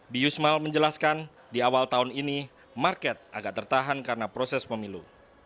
biusmal menjelaskan di awal tahun ini market agak tertahan karena proses pemilu